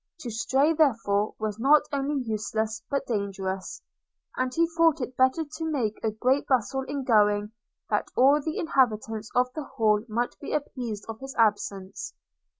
To stay, therefore, was not only useless, but dangerous; and he thought it better to make a great bustle in going, that all the inhabitants of the Hall might be apprised of his absence.